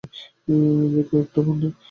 দেখো, একটা পান্ডা!